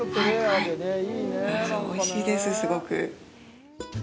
あぁ、おいしいです、すごく。